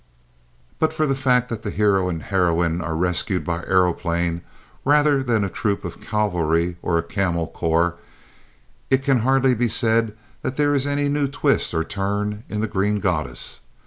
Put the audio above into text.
But for the fact that the hero and heroine are rescued by aeroplanes rather than a troop of cavalry or a camel corps, it can hardly be said that there is any new twist or turn in The Green Goddess.